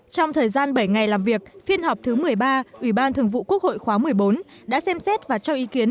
trong thời gian bảy ngày làm việc phiên họp thứ một mươi ba ủy ban thường vụ quốc hội khóa một mươi bốn đã xem xét và cho ý kiến